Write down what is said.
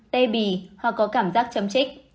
tê bì hoặc có cảm giác chấm trích